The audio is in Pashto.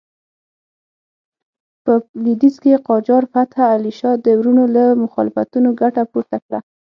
په لوېدیځ کې قاجار فتح علي شاه د وروڼو له مخالفتونو ګټه پورته کړه.